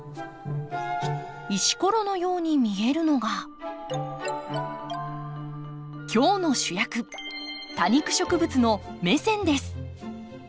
石ころのように見えるのが今日の主役多肉植物のメセンです。